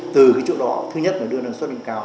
từ cái chỗ đó thứ nhất là đưa năng suất lên cao